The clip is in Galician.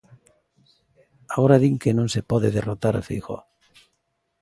Agora din que non se pode derrotar a Feijóo.